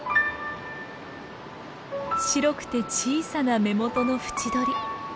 白くて小さな目元の縁取り。